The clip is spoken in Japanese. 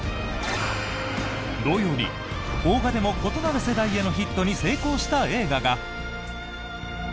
同様に邦画でも異なる世代へのヒットに成功した映画が。